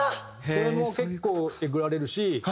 それも結構えぐられるし。